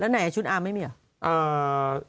แล้วไหนชุดอ่าไม่มีเหรอ